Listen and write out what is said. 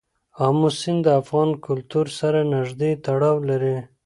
آمو سیند د افغان کلتور سره نږدې تړاو لري.